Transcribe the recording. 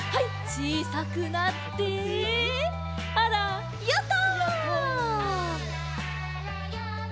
ちいさくなってあらヨット！